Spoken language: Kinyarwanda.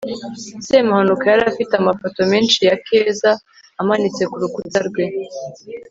semuhanuka yari afite amafoto menshi ya keza amanitse ku rukuta rwe